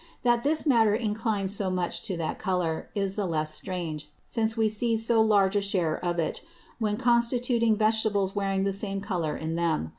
That this Matter inclines so much to that Colour, is the less strange, since we see so large a share of it, when constituting Vegetables wearing the same Colour in them.